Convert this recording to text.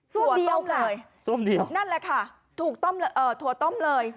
ซ่วมนี้ค่ะถั่วต้มเลยนั่นแหละค่ะถั่วต้มเลย